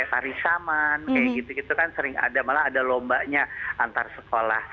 di sekolah ada semacam kayak tari saman kayak gitu gitu kan sering ada malah ada lombanya antar sekolah